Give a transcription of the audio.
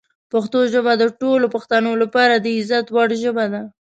پښتو ژبه د ټولو پښتنو لپاره د عزت وړ ژبه ده.